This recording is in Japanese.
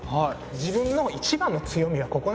自分の一番の強みはここなんです。